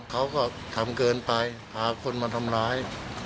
เขาก็ทำเกินไปหาคนมาทำร้าย